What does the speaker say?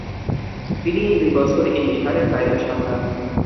তিনি দুই বছর এই বিহারের দায়িত্ব সামলান।